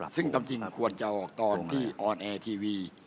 ซึ่งความจริงควรจะออกตอนที่ออนแอร์ทีวี